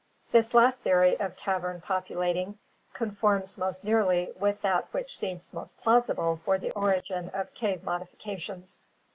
This last theory of cavern populating conforms most nearly with that which seems most plausible for the origin of cave modifications.